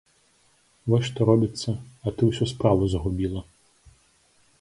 Вось што робіцца, а ты ўсю справу загубіла.